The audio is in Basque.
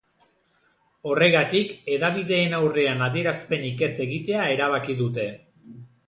Horregatik hedabideen aurrean adierazpenik ez egitea erabaki dute.